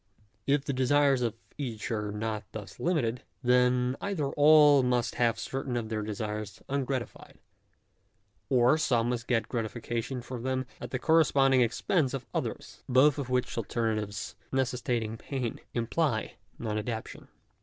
If the desires of each are not thus limited, then either all must have certain of their desires ungratified; or some must get gratification for them at the corresponding expense of others. Both of which alternatives necessitating pain, imply non adaptation.